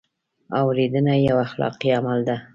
اورېدنه یو اخلاقي عمل دی.